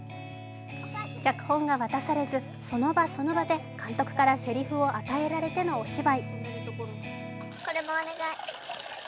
脚本が渡されず、その場その場で監督からせりふを与えられてのお芝居。